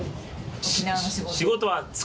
沖縄の仕事。